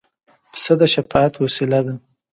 پسه د شفاعت وسیله ده.